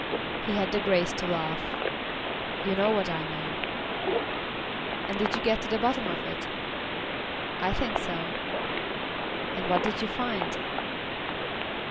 He had the grace to laugh. "You know what I mean." "And did you get to the bottom of it?" "I think so." "And what did you find?"